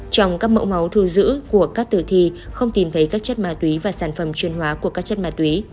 trong các mẫu máu thu giữ của các tử thi không tìm thấy các chất ma túy và sản phẩm chuyên hóa của các chất ma túy